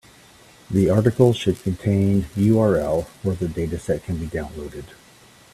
The article should contain URL where the dataset can be downloaded.